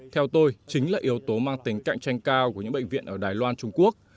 theo tôi chính là yếu tố mang tính cạnh tranh cao của những bệnh viện ở đài loan trung quốc